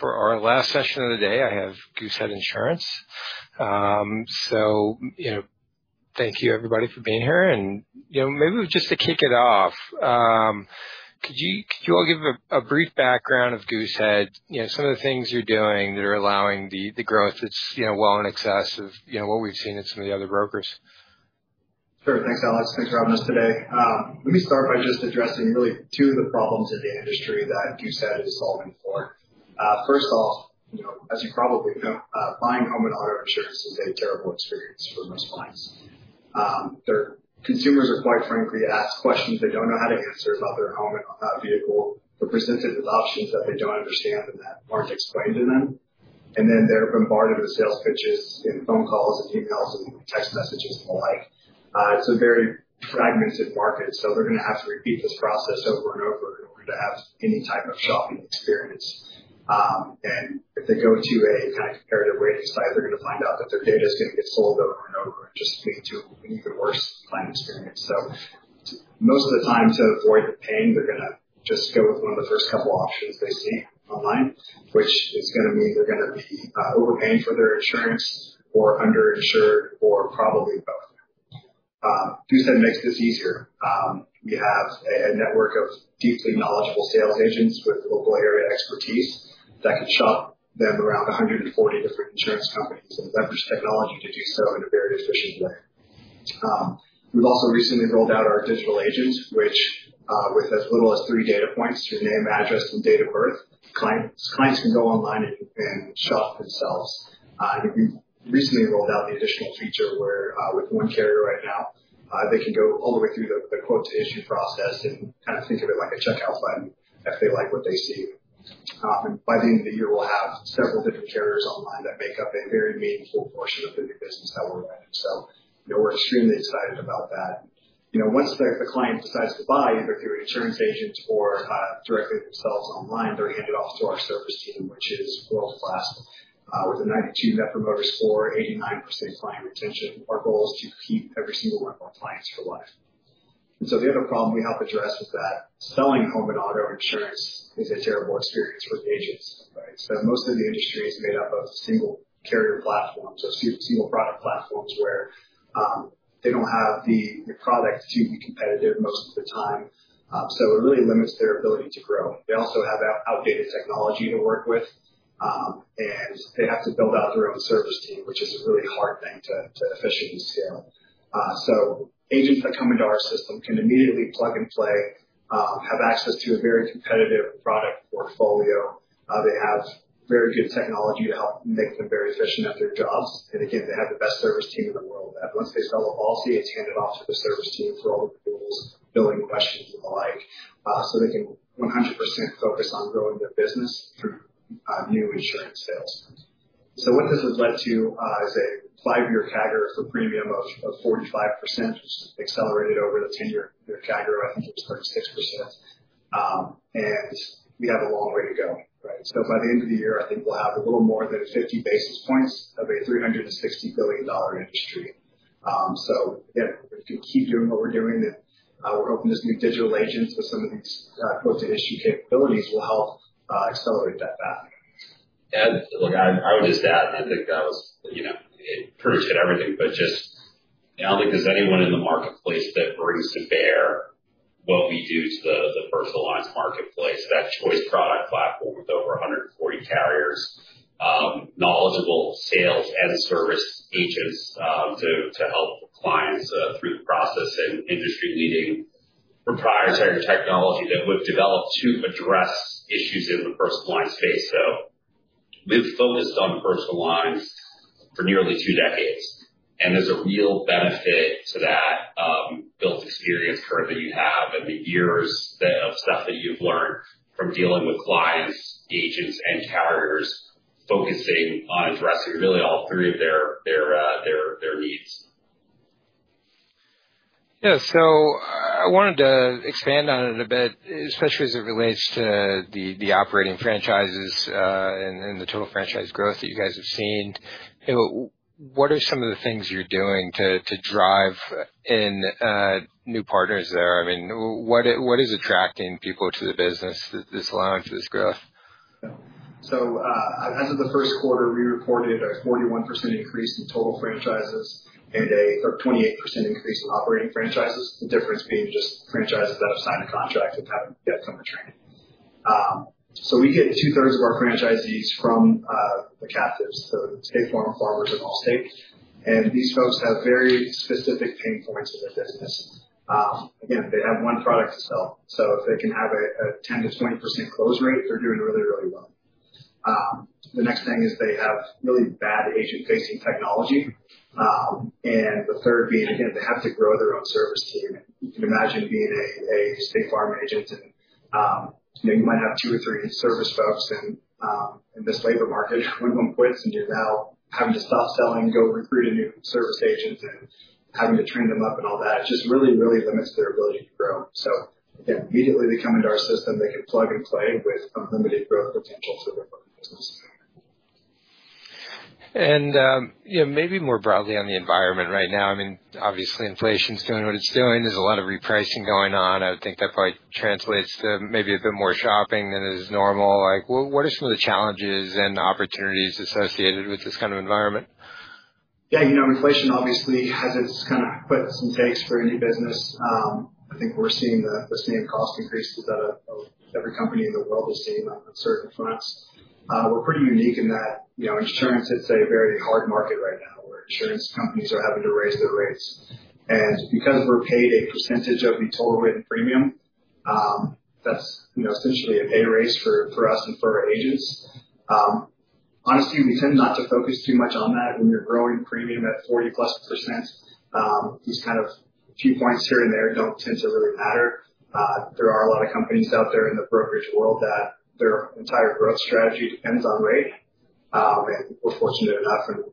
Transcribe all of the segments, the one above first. For our last session of the day, I have Goosehead Insurance. Thank you everybody for being here. Maybe just to kick it off, could you all give a brief background of Goosehead? Some of the things you're doing that are allowing the growth that's well in excess of what we've seen in some of the other brokers. Sure. Thanks, Alex. Thanks for having us today. Let me start by just addressing really two of the problems in the industry that Goosehead is solving for. First off, as you probably know, buying home and auto insurance is a terrible experience for most clients. Consumers are, quite frankly, asked questions they don't know how to answer about their home and about vehicle. They're presented with options that they don't understand and that aren't explained to them. They're bombarded with sales pitches in phone calls and emails and text messages and the like. It's a very fragmented market, so they're going to have to repeat this process over and over in order to have any type of shopping experience. If they go to a kind of comparative rating site, they're going to find out that their data's going to get sold over and over, and just lead to an even worse claim experience. Most of the time, to avoid the pain, they're going to just go with one of the first couple options they see online, which is going to mean they're going to be overpaying for their insurance or underinsured, or probably both. Goosehead makes this easier. We have a network of deeply knowledgeable sales agents with local area expertise that can shop them around 140 different insurance companies, and leverage technology to do so in a very efficient way. We've also recently rolled out our Digital Agent, which, with as little as three data points, your name, address, and date of birth, clients can go online and shop themselves. I think we've recently rolled out the additional feature where, with one carrier right now, they can go all the way through the quotation process and kind of think of it like a checkout button if they like what they see. By the end of the year, we'll have several different carriers online that make up a very meaningful portion of the new business that we're writing. We're extremely excited about that. Once the client decides to buy, either through an insurance agent or directly themselves online, they're handed off to our service team, which is world-class, with a 92 Net Promoter Score, 89% client retention. Our goal is to keep every single one of our clients for life. The other problem we help address is that selling home and auto insurance is a terrible experience for agents, right? Most of the industry is made up of single carrier platforms or single product platforms where they don't have the product to be competitive most of the time. It really limits their ability to grow. They also have outdated technology to work with, and they have to build out their own service team, which is a really hard thing to efficiently scale. Agents that come into our system can immediately plug and play, have access to a very competitive product portfolio. They have very good technology to help make them very efficient at their jobs. Again, they have the best service team in the world that once they sell a policy, it's handed off to the service team for all the renewals, billing questions and the like. They can 100% focus on growing their business through new insurance sales. What this has led to is a five-year CAGR for premium of 45%, which has accelerated over the 10-year CAGR, I think it was 26%. We have a long way to go, right? By the end of the year, I think we'll have a little more than 50 basis points of a $360 billion industry. Again, if we keep doing what we're doing, then we're hoping this new Digital Agent with some of these quote-to-issue capabilities will help accelerate that path. Look, I would just add, I think that was it. Kurt hit everything, but just, I don't think there's anyone in the marketplace that brings to bear what we do to the personal lines marketplace. That choice product platform with over 140 carriers, knowledgeable sales and service agents to help clients through the process, and industry-leading proprietary technology that we've developed to address issues in the personal lines space. We've focused on personal lines for nearly two decades, and there's a real benefit to that built experience curve that you have and the years of stuff that you've learned from dealing with clients, agents, and carriers focusing on addressing really all three of their needs. Yeah. I wanted to expand on it a bit, especially as it relates to the operating franchises, and the total franchise growth that you guys have seen. What are some of the things you're doing to drive in new partners there? I mean, what is attracting people to the business that is allowing for this growth? As of the first quarter, we reported a 41% increase in total franchises and a 28% increase in operating franchises. The difference being just franchises that have signed a contract but haven't yet come to training. We get two-thirds of our franchisees from the captives, State Farm, Farmers, and Allstate. These folks have very specific pain points in their business. Again, they have 1 product to sell, so if they can have a 10%-20% close rate, they're doing really, really well. The next thing is they have really bad agent-facing technology, the third being, again, they have to grow their own service team. You can imagine being a State Farm agent, and you might have two or three service folks in this labor market went home, quits, and you're now having to stop selling to go recruit a new service agent and having to train them up and all that. It just really, really limits their ability to grow. Again, immediately they come into our system, they can plug and play with unlimited growth potential for their business. Maybe more broadly on the environment right now, obviously inflation's doing what it's doing. There's a lot of repricing going on. I would think that probably translates to maybe a bit more shopping than is normal. What are some of the challenges and opportunities associated with this kind of environment? Yeah. Inflation obviously has its kind of ups and downs for any business. I think we're seeing the same cost increases that every company in the world is seeing on certain fronts. We're pretty unique in that insurance is a very hard market right now, where insurance companies are having to raise their rates. Because we're paid a percentage of the total written premium, that's essentially a pay raise for us and for our agents. Honestly, we tend not to focus too much on that when you're growing premium at 40-plus%. These kind of few points here and there don't tend to really matter. There are a lot of companies out there in the brokerage world that their entire growth strategy depends on rate. We're fortunate enough,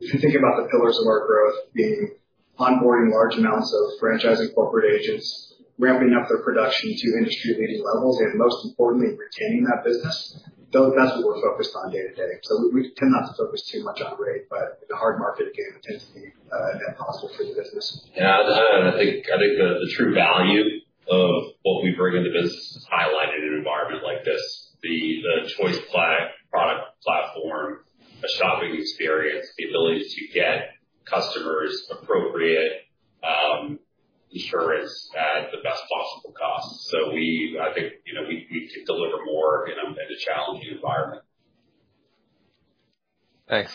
if you think about the pillars of our growth being onboarding large amounts of franchise and corporate agents, ramping up their production to industry-leading levels, and most importantly, retaining that business, that's what we're focused on day-to-day. We tend not to focus too much on rate, the hard market again tends to be a net positive for the business. Yeah. I think the true value of what we bring in the business is highlighted in an environment like this. The choice product platform, a shopping experience, the ability to get customers appropriate insurance at the best possible cost. I think we can deliver more in a challenging environment. Thanks.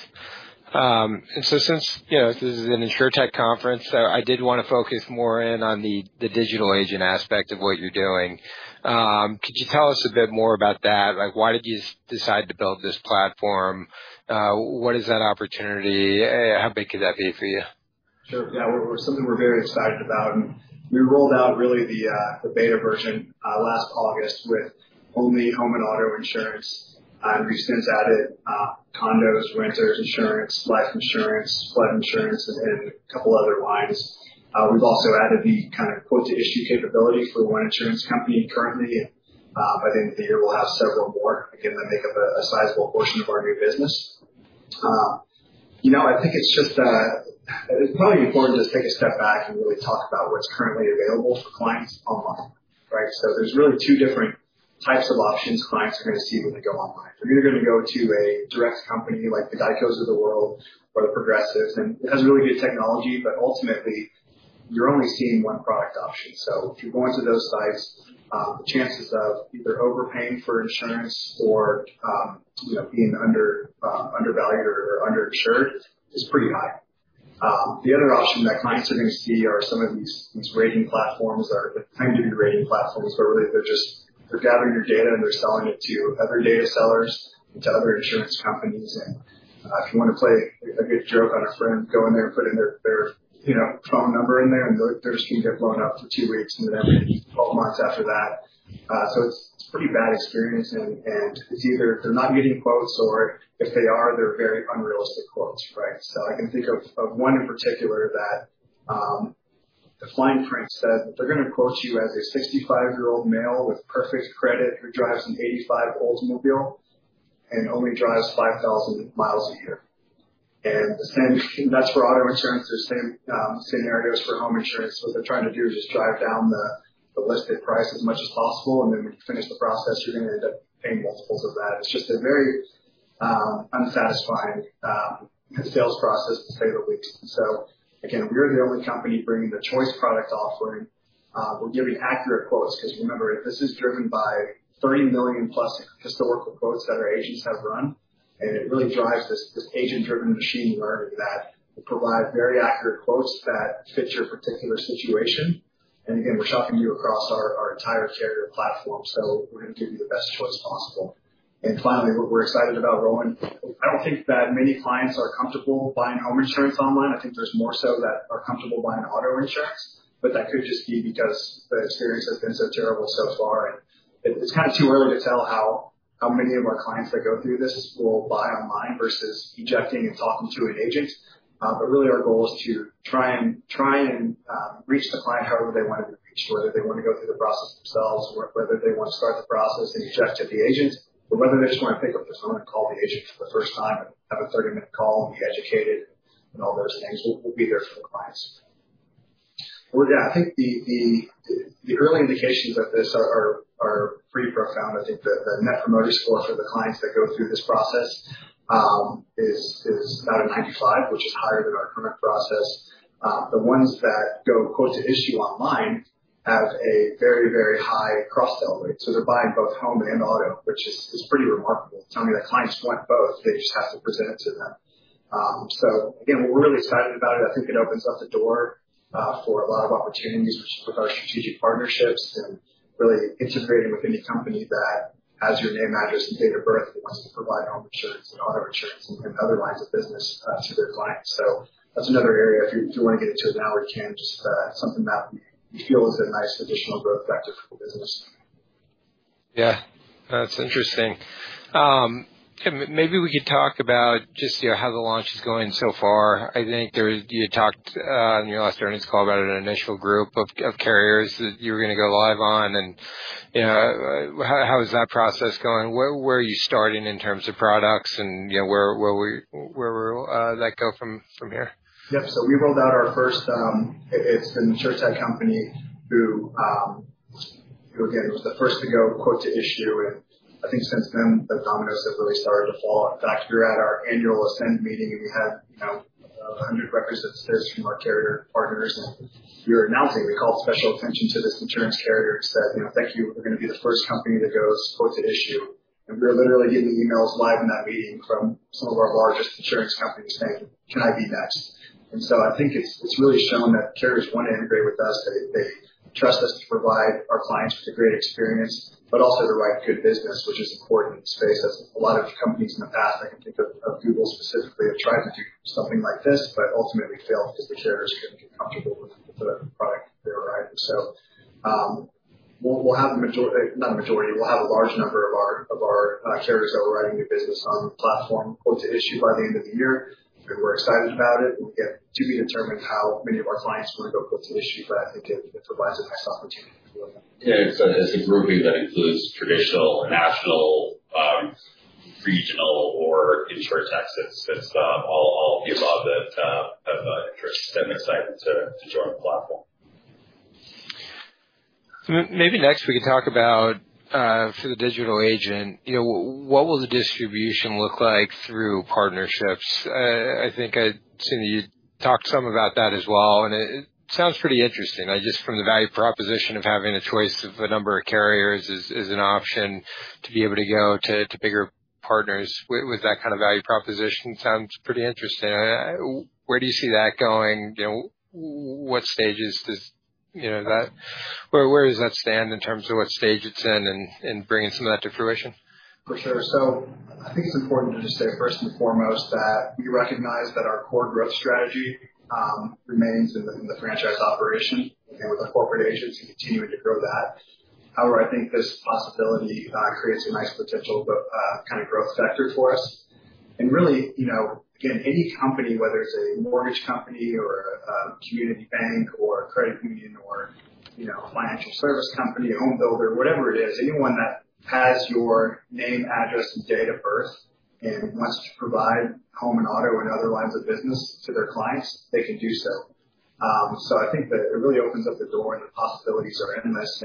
Since this is an InsurTech conference, I did want to focus more in on the Digital Agent aspect of what you're doing. Could you tell us a bit more about that? Why did you decide to build this platform? What is that opportunity? How big could that be for you? Sure. Yeah. Well, it's something we're very excited about, we rolled out really the beta version last August with only home and auto insurance. We've since added condos, renters insurance, life insurance, flood insurance, and a couple other lines. We've also added the kind of quote-to-issue capability for one insurance company currently. I think at the end of the year we'll have several more. They make up a sizable portion of our new business. I think it's just probably important to just take a step back and really talk about what's currently available for clients online, right? There's really 2 different types of options clients are going to see when they go online. They're either going to go to a direct company like the GEICO of the world or the Progressive, it has really good technology, ultimately you're only seeing one product option. If you're going to those sites, the chances of either overpaying for insurance or being undervalued or underinsured is pretty high. The other option that clients are going to see are some of these rating platforms or claim to be rating platforms, really, they're just gathering your data, they're selling it to other data sellers and to other insurance companies. If you want to play a good joke on a friend, go in there, put in their phone number in there, theirs can get blown up for two weeks and then 12 months after that. It's a pretty bad experience, it's either they're not getting quotes or if they are, they're very unrealistic quotes, right? I can think of one in particular that the fine print said that they're going to quote you as a 65-year-old male with perfect credit who drives an 85 Oldsmobile and only drives 5,000 miles a year. That's for auto insurance. There's same scenarios for home insurance. What they're trying to do is just drive down the listed price as much as possible, and then when you finish the process, you're going to end up paying multiples of that. It's just a very unsatisfying sales process to say the least. Again, we're the only company bringing the choice product offering. We'll give you accurate quotes because remember, this is driven by 30 million-plus historical quotes that our agents have run, and it really drives this agent-driven machine learning that will provide very accurate quotes that fit your particular situation. Again, we're shopping you across our entire carrier platform, so we're going to give you the best choice possible. Finally, we're excited about growing. I don't think that many clients are comfortable buying home insurance online. I think there's more so that are comfortable buying auto insurance, but that could just be because the experience has been so terrible so far. It's kind of too early to tell how many of our clients that go through this will buy online versus ejecting and talking to an agent. Really our goal is to try and reach the client however they want to be reached, whether they want to go through the process themselves or whether they want to start the process and eject at the agent or whether they just want to pick up the phone and call the agent for the first time and have a 30-minute call and be educated and all those things. We'll be there for the clients. Well, yeah, I think the early indications of this are pretty profound. I think the Net Promoter Score for the clients that go through this process is about a 95, which is higher than our current process. The ones that go quote-to-issue online have a very high cross-sell rate. They're buying both home and auto, which is pretty remarkable. It's telling me that clients want both. They just have to present it to them. Again, we're really excited about it. I think it opens up the door for a lot of opportunities with some of our strategic partnerships and really integrating with any company that has your name, address, and date of birth that wants to provide home insurance and auto insurance and other lines of business to their clients. That's another area if you want to get into it now, we can. Just something that we feel is a nice additional growth vector for the business. Yeah. That's interesting. Maybe we could talk about just how the launch is going so far. I think you talked on your last earnings call about an initial group of carriers that you were going to go live on. How is that process going? Where were you starting in terms of products and where will that go from here? Yeah. We rolled out our first, it's an InsurTech company who, again, was the first to go quote-to-issue. I think since then, the dominoes have really started to fall. In fact, we were at our annual Ascend meeting. We had 100 representatives from our carrier partners. We were announcing, we called special attention to this insurance carrier and said, "Thank you. We're going to be the first company that goes quote-to-issue." We were literally getting emails live in that meeting from some of our largest insurance companies saying, "Can I be next?" I think it's really shown that carriers want to integrate with us. They trust us to provide our clients with a great experience, also the right good business, which is important in this space as a lot of companies in the past, I can think of Google specifically, have tried to do something like this, ultimately failed because the carriers couldn't get comfortable with the product they were writing. We'll have a large number of our carriers that are writing new business on the platform quote-to-issue by the end of the year. We're excited about it. We have yet to determine how many of our clients are going to go quote-to-issue, I think it provides a nice opportunity. Yeah, it's a grouping that includes traditional, national, regional or InsurTechs. That's all of the above that have an interest and excitement to join the platform. Maybe next we could talk about, for the Digital Agent, what will the distribution look like through partnerships? Tim, you talked some about that as well. It sounds pretty interesting. Just from the value proposition of having a choice of a number of carriers is an option to be able to go to bigger partners with that kind of value proposition sounds pretty interesting. Where do you see that going? Where does that stand in terms of what stage it's in and bringing some of that to fruition? For sure. I think it's important to just say first and foremost, that we recognize that our core growth strategy remains within the franchise operation and with our corporate agents and continuing to grow that. However, I think this possibility creates a nice potential kind of growth sector for us. Really, again, any company, whether it's a mortgage company or a community bank or a credit union or a financial service company, a home builder, whatever it is, anyone that has your name, address, and date of birth and wants to provide home and auto and other lines of business to their clients, they can do so. I think that it really opens up the door and the possibilities are endless.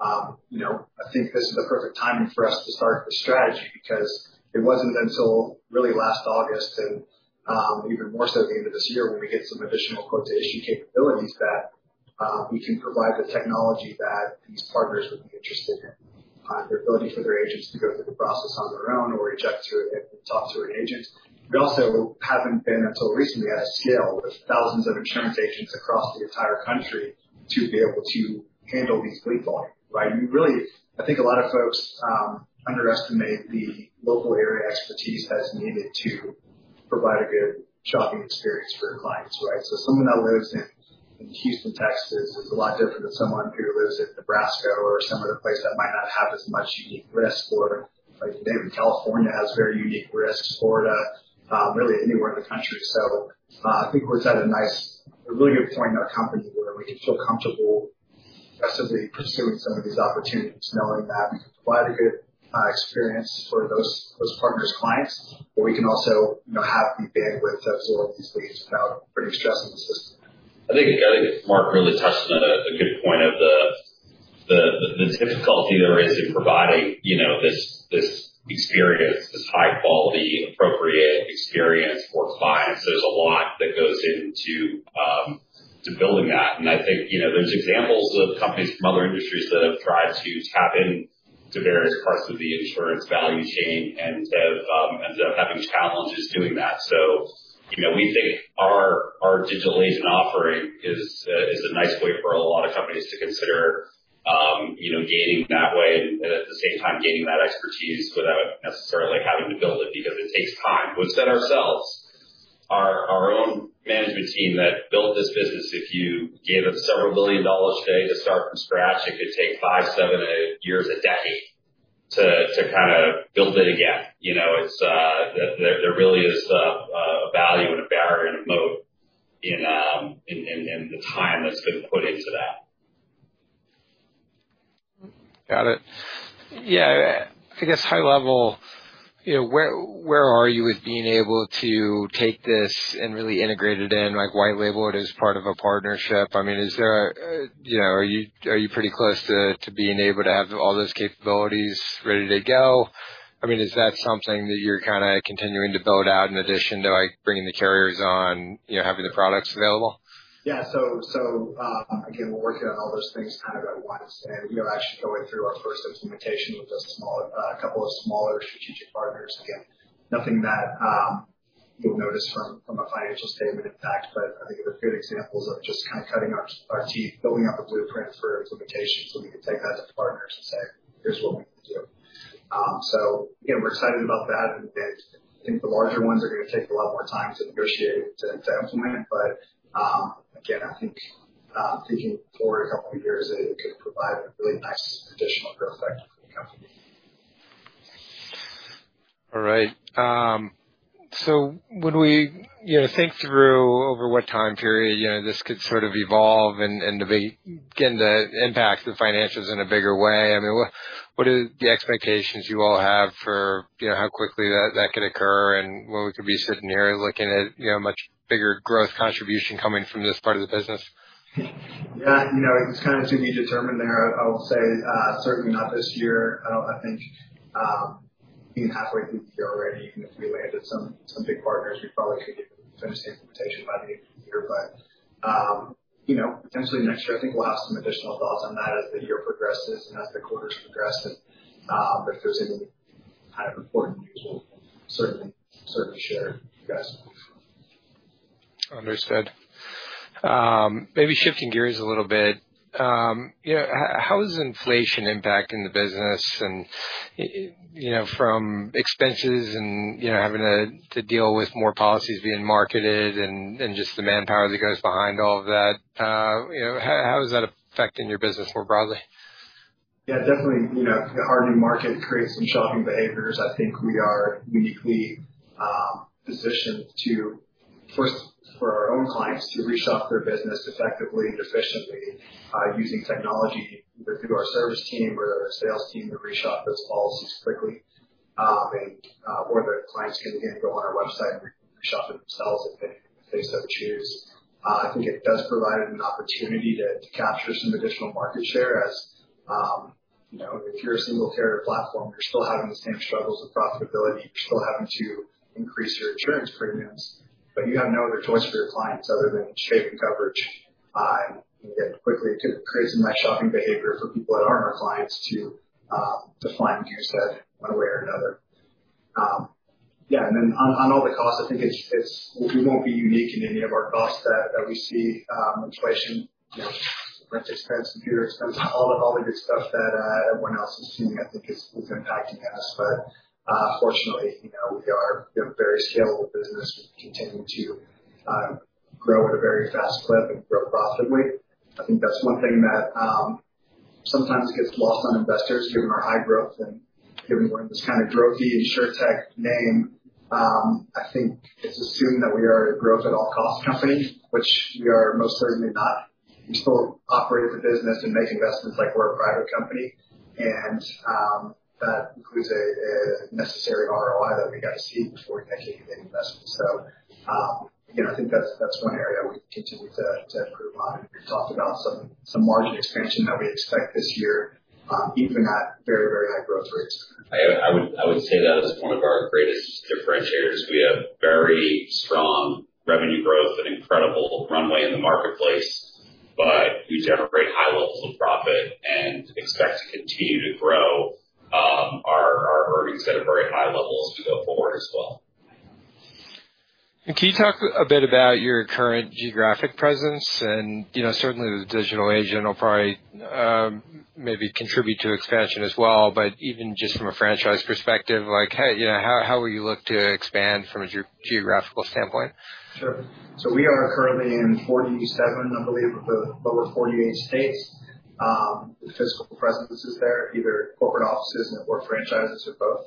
I think this is the perfect timing for us to start the strategy because it wasn't until really last August and even more so at the end of this year when we get some additional quote-to-issue capabilities that we can provide the technology that these partners would be interested in. The ability for their agents to go through the process on their own or reach out to talk to an agent. We also haven't been, until recently, at a scale with thousands of insurance agents across the entire country to be able to handle these leads volume, right? I think a lot of folks underestimate the local area expertise that's needed to provide a good shopping experience for clients, right? Someone that lives in Houston, Texas, is a lot different than someone who lives in Nebraska or some other place that might not have as much unique risk. Like the state of California has very unique risks. Florida, really anywhere in the country. I think we're at a really good point in our company where we can feel comfortable aggressively pursuing some of these opportunities, knowing that we can provide a good experience for those partners' clients. We can also have the bandwidth to absorb these leads without putting stress on the system. I think Mark really touched on a good point of the difficulty there is in providing this experience, this high quality, appropriate experience for clients. There's a lot that goes into building that. I think there's examples of companies from other industries that have tried to tap into various parts of the insurance value chain and have ended up having challenges doing that. We think our digital agent offering is a nice way for a lot of companies to consider gaining that way, and at the same time gaining that expertise without necessarily having to build it because it takes time. With ourselves, our own management team that built this business, if you gave them several billion dollars today to start from scratch, it could take five, seven, eight years, a decade to build it again. There really is a value and a barrier and a moat in the time that's been put into that. Got it. I guess high level, where are you with being able to take this and really integrate it in, like white label it as part of a partnership? Are you pretty close to being able to have all those capabilities ready to go? Is that something that you're continuing to build out in addition to bringing the carriers on, having the products available? Yeah. Again, we're working on all those things at once, and actually going through our first implementation with a couple of smaller strategic partners. Again, nothing that you'll notice from a financial statement impact, but I think they're good examples of just cutting our teeth, building out the blueprints for implementation, so we can take that to partners and say, "Here's what we can do." We're excited about that, and I think the larger ones are going to take a lot more time to negotiate, to implement. Again, I think thinking forward a couple of years, it could provide a really nice additional growth vector for us. When we think through over what time period this could evolve and begin to impact the financials in a bigger way, what are the expectations you all have for how quickly that could occur and when we could be sitting here looking at a much bigger growth contribution coming from this part of the business? Yeah. It's to be determined there. I will say, certainly not this year. I think being halfway through the year already, even if we landed some big partners, we probably could get finished implementation by the end of this year. Potentially next year, I think we'll have some additional thoughts on that as the year progresses and as the quarters progress. If there's any important news, we'll certainly share it with you guys. Understood. Maybe shifting gears a little bit. How is inflation impacting the business and from expenses and having to deal with more policies being marketed and just the manpower that goes behind all of that, how is that affecting your business more broadly? Yeah, definitely, the hardening market creates some shopping behaviors. I think we are uniquely positioned to, first, for our own clients to reshop their business effectively and efficiently, using technology through our service team or our sales team to reshop those policies quickly. Or the clients can go on our website and reshop it themselves if they so choose. I think it does provide an opportunity to capture some additional market share as if you're a single carrier platform, you're still having the same struggles with profitability. You're still having to increase your insurance premiums, you have no other choice for your clients other than shaping coverage. It quickly creates much shopping behavior for people that aren't our clients to find Goosehead one way or another. On all the costs, I think we won't be unique in any of our costs that we see. Inflation, rent expense, computer expense, all the good stuff that everyone else is seeing, I think is impacting us. Fortunately, we are a very scalable business. We continue to grow at a very fast clip and grow profitably. I think that's one thing that sometimes gets lost on investors given our high growth and given we're in this growth-y InsurTech name. I think it's assumed that we are a growth at all costs company, which we are most certainly not. We still operate the business and make investments like we're a private company. That includes a necessary ROI that we got to see before we make any investments. I think that's one area we continue to improve on. We talked about some margin expansion that we expect this year, even at very high growth rates. I would say that is one of our greatest differentiators. We have very strong revenue growth and incredible runway in the marketplace, we generate high levels of profit and expect to continue to grow our earnings that are very high levels to go forward as well. Can you talk a bit about your current geographic presence and certainly the Digital Agent will probably maybe contribute to expansion as well, but even just from a franchise perspective, how will you look to expand from a geographical standpoint? Sure. We are currently in 47, I believe, of the lower 48 states. Physical presences there, either corporate offices or franchises or both.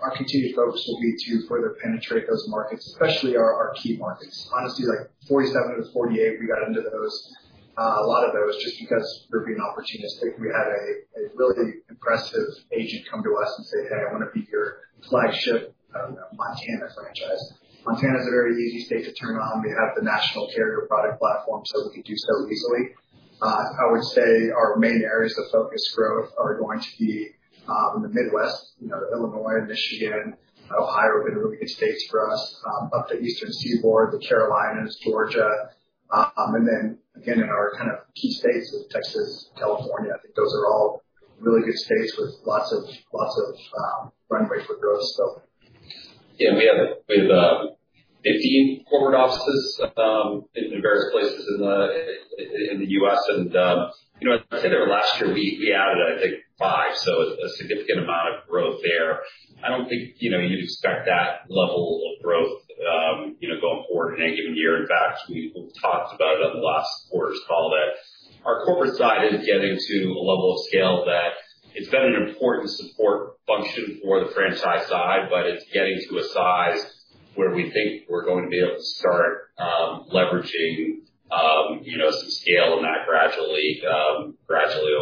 Our continued focus will be to further penetrate those markets, especially our key markets. Honestly, like 47 to 48, we got into a lot of those just because we're being opportunistic. We had a really impressive agent come to us and say, "Hey, I want to be your flagship Montana franchise." Montana is a very easy state to turn on. We have the choice product platform, so we can do so easily. I would say our main areas of focused growth are going to be in the Midwest, Illinois, Michigan, Ohio have been really good states for us. Up the Eastern Seaboard, the Carolinas, Georgia. Then again, in our key states of Texas, California. I think those are all really good states with lots of runway for growth. Yeah, we have 15 corporate offices in various places in the U.S. I'd say there last year we added, I think five, a significant amount of growth there. I don't think you'd expect that level of growth going forward in any given year. In fact, we talked about it on the last quarter's call that our corporate side is getting to a level of scale that it's been an important support function for the franchise side, but it's getting to a size where we think we're going to be able to start leveraging some scale in that gradually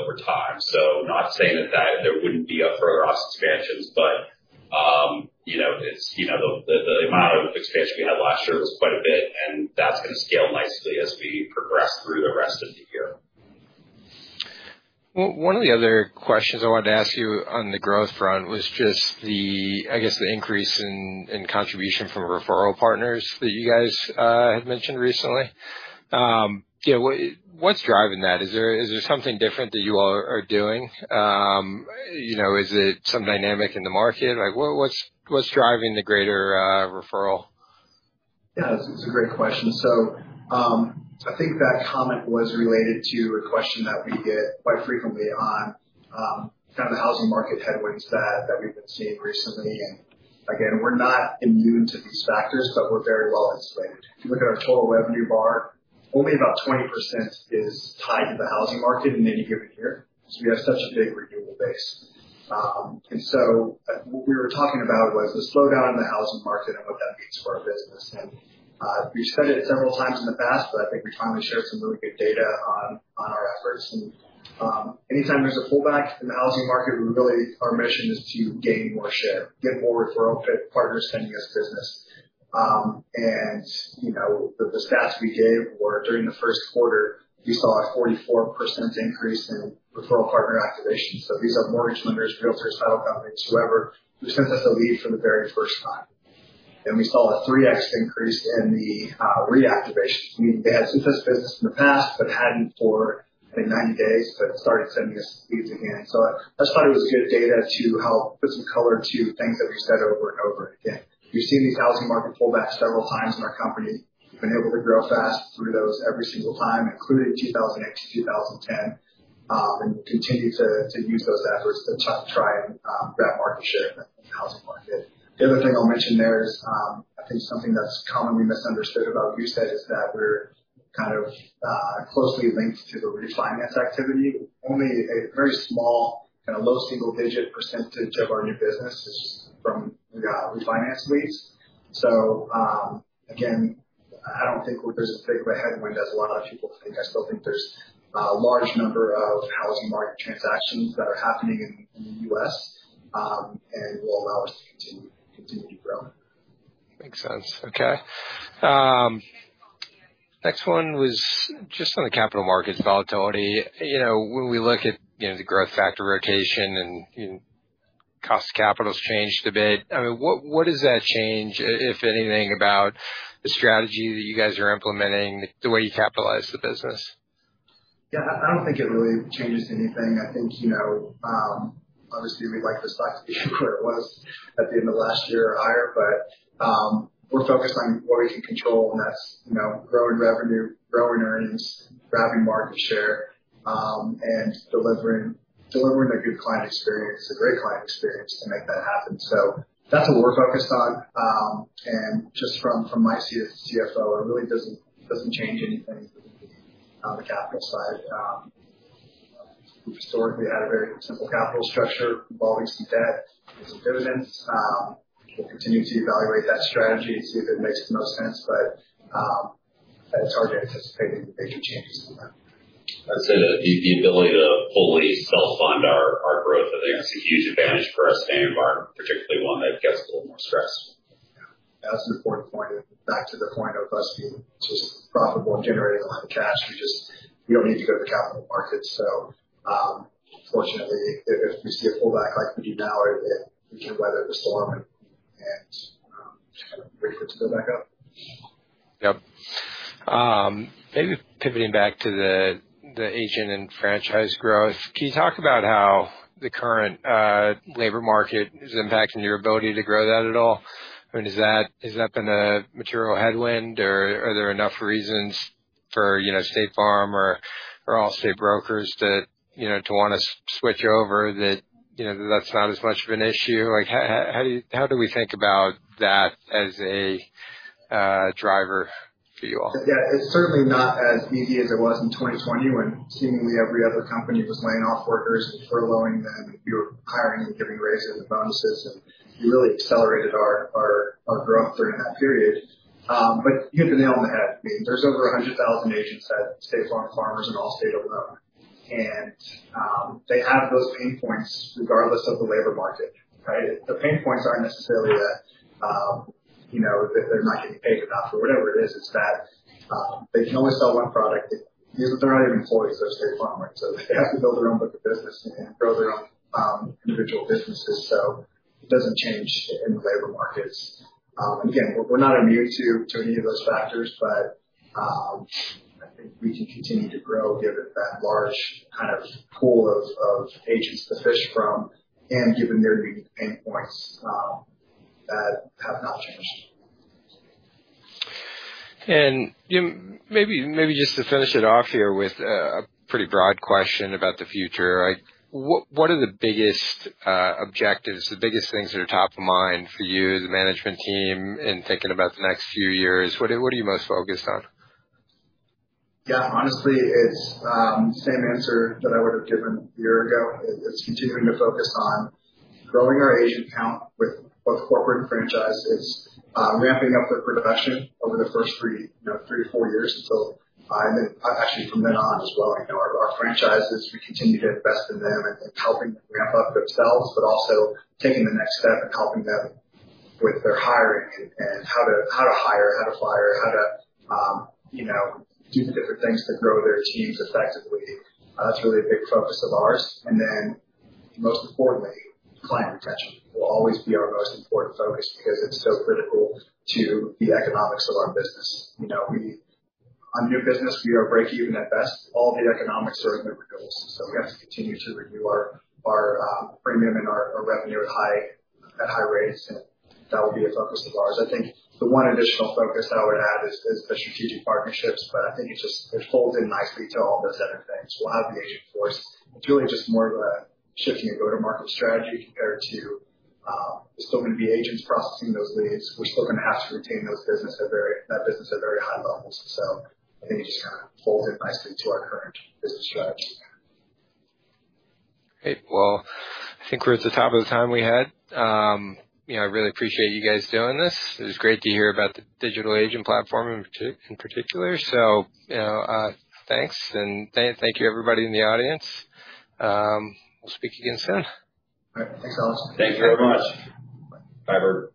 over time. Not saying that there wouldn't be up for across expansions, but the amount of expansion we had last year was quite a bit, and that's going to scale nicely as we progress through the rest of the year. One of the other questions I wanted to ask you on the growth front was just the, I guess, the increase in contribution from referral partners that you guys had mentioned recently. What's driving that? Is there something different that you all are doing? Is it some dynamic in the market? What's driving the greater referral? Yeah. It's a great question. I think that comment was related to a question that we get quite frequently on the housing market headwinds that we've been seeing recently. Again, we're not immune to these factors, but we're very well insulated. If you look at our total revenue bar. Only about 20% is tied to the housing market in any given year because we have such a big renewable base. What we were talking about was the slowdown in the housing market and what that means for our business. We've said it several times in the past, but I think we finally showed some really good data on our efforts. Anytime there's a pullback in the housing market, really our mission is to gain more share, get more referral partners sending us business. The stats we gave were during the first quarter, we saw a 44% increase in referral partner activation. These are mortgage lenders, realtors, title companies, whoever who sends us a lead for the very first time. We saw a 3x increase in the reactivation, meaning they had sent us business in the past, but hadn't for, I think, 90 days, but started sending us leads again. I just thought it was good data to help put some color to things that we've said over and over again. We've seen these housing market pullbacks several times in our company. We've been able to grow fast through those every single time, including 2008 to 2010, and continue to use those efforts to try and grab market share in the housing market. The other thing I'll mention there is I think something that's commonly misunderstood about Goosehead is that we're kind of closely linked to the refinance activity. Only a very small, low single-digit percentage of our new business is from refinance leads. Again, I don't think there's as big of a headwind as a lot of people think. I still think there's a large number of housing market transactions that are happening in the U.S., and will allow us to continue to grow. Makes sense, okay. Next one was just on the capital markets volatility. When we look at the growth factor rotation and cost of capital's changed a bit, what does that change, if anything, about the strategy that you guys are implementing, the way you capitalize the business? Yeah, I don't think it really changes anything. I think, obviously, we'd like the stock to be where it was at the end of last year or higher, but we're focused on what we can control, and that's growing revenue, growing earnings, grabbing market share, and delivering a good client experience, a great client experience to make that happen. That's what we're focused on. Just from my CFO, it really doesn't change anything on the capital side. We've historically had a very simple capital structure involving some debt and some dividends. We'll continue to evaluate that strategy and see if it makes the most sense, but I don't anticipate any big changes to that. I'd say that the ability to fully self-fund our growth, I think that's a huge advantage for us in any environment, particularly one that gets a little more stressful. Yeah. That's an important point. Back to the point of us being just profitable and generating a lot of cash. We don't need to go to the capital markets. Fortunately, if we see a pullback like we do now, we can weather the storm and just kind of wait for it to go back up. Yep. Maybe pivoting back to the agent and franchise growth, can you talk about how the current labor market is impacting your ability to grow that at all? Has that been a material headwind, or are there enough reasons for State Farm or Allstate brokers to want to switch over that that's not as much of an issue? How do we think about that as a driver for you all? Yeah. It's certainly not as easy as it was in 2020 when seemingly every other company was laying off workers and furloughing them. We were hiring and giving raises and bonuses, and we really accelerated our growth during that period. You hit the nail on the head, I mean, there's over 100,000 agents at State Farm, Farmers, and Allstate alone. They have those pain points regardless of the labor market, right? The pain points aren't necessarily that they're not getting paid enough or whatever it is. It's that they can only sell one product. They're not even employees of State Farm. They have to build their own book of business and build their own individual businesses. It doesn't change in the labor markets. We're not immune to any of those factors, but I think we can continue to grow given that large pool of agents to fish from and given their pain points that have not changed. Maybe just to finish it off here with a pretty broad question about the future. What are the biggest objectives, the biggest things that are top of mind for you, the management team, in thinking about the next few years? What are you most focused on? Yeah, honestly, it's the same answer that I would have given a year ago. It's continuing to focus on growing our agent count with both corporate and franchises, ramping up their production over the first three to four years actually from then on as well. Our franchises, we continue to invest in them and helping them ramp up themselves, but also taking the next step and helping them with their hiring and how to hire, how to fire, how to do the different things to grow their teams effectively. That's really a big focus of ours. Then most importantly, client retention will always be our most important focus because it's so critical to the economics of our business. On new business, we are breakeven at best. All the economics are in the renewables. We have to continue to renew our premium and our revenue at high rates, and that will be a focus of ours. I think the one additional focus that I would add is the strategic partnerships, I think it folds in nicely to all those other things. We'll have the agent force. It's really just more of a shifting a go-to-market strategy compared to it's still going to be agents processing those leads. We're still going to have to retain that business at very high levels. I think it just folds in nicely to our current business strategy. Great. I think we're at the top of the time we had. I really appreciate you guys doing this. It was great to hear about the Digital Agent Platform in particular. Thanks, and thank you everybody in the audience. We'll speak again soon. All right. Thanks, Alex. Thank you very much. Bye.